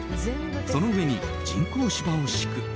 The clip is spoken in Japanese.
その上に人工芝を敷く。